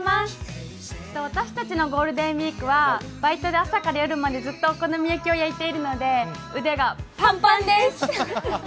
私たちのゴールデンウイークはバイトで朝から夜までずっとお好み焼きを焼いているので腕がパンパンです。